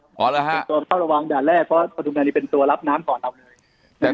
อ๋อแล้วฮะเพราะว่าต้องระวังด่านแรกเพราะว่าประทุมธานีเป็นตัวรับน้ำของเราเลย